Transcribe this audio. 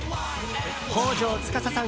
北条司さん